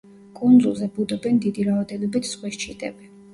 კუნძულზე ბუდობენ დიდი რაოდენობით ზღვის ჩიტები.